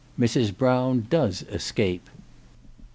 MRS. BROWN DOES ESCAPE.